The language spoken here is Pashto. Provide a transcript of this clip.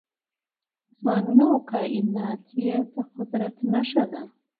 اسمانونه او کائنات يې د قدرت نښه ده .